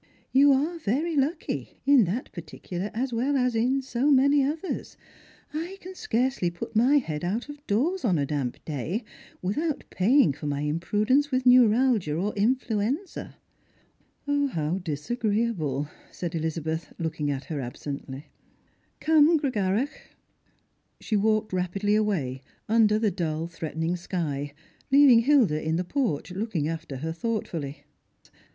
" You are very lucky, in that particular as well as in so many others. I can scarcely put my head out of doors on a damp day without paying for my imprudence with neuralgia or influenza." " How disagi eeable !" said EHzabeth, looking at her absently. " Come, Gregarach." She walked rapidly away, under the dull threatening sky, leaving Hilda in the porch, looking after her thoughtfully.